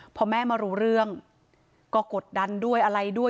พอแม่มารู้เรื่องก็กดดันด้วยอะไรด้วย